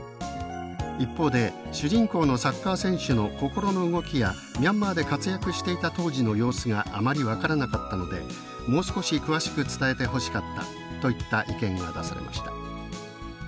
一方で「主人公のサッカー選手の心の動きやミャンマーで活躍していた当時の様子があまり分からなかったのでもう少し詳しく伝えてほしかった」といった意見が出されました。